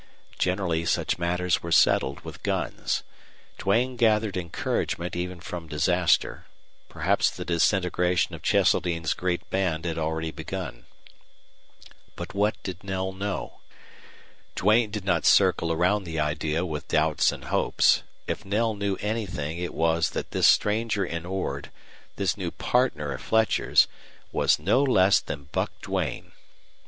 Generally such matters were settled with guns. Duane gathered encouragement even from disaster. Perhaps the disintegration of Cheseldine's great band had already begun. But what did Knell know? Duane did not circle around the idea with doubts and hopes; if Knell knew anything it was that this stranger in Ord, this new partner of Fletcher's, was no less than Buck Duane.